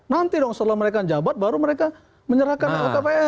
nanti dong setelah mereka jabat baru mereka menyerahkan lhkpn